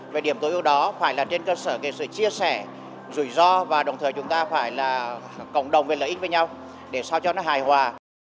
về điểm tối ưu đó phải là trên cơ sở cái sự chia sẻ rủi ro và đồng thời chúng ta phải là cộng đồng về lợi ích với nhau để sao cho nó hài hòa